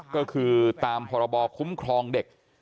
ก็คือตามพรบคุ้มครองเด็ก